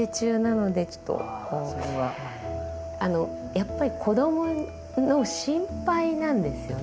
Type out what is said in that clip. やっぱり子供の心配なんですよね。